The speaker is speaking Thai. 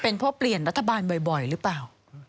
เป็นเพราะเปลี่ยนรัฐบาลบ่อยหรือเปล่า